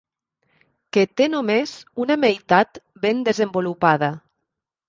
Que té només una meitat ben desenvolupada.